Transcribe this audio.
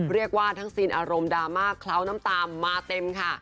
เรียกว่าทั้งซีนอารมณ์ดราม่าเคล้าน้ำตามาเต็มค่ะ